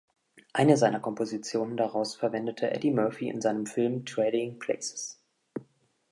Eine seiner Kompositionen daraus verwendete Eddie Murphy in seinem Film "Trading Places".